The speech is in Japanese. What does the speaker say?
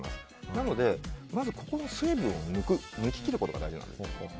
なので、まず水分を抜き切ることが大事なんですね。